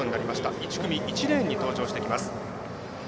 １組、１レーンに登場してきます。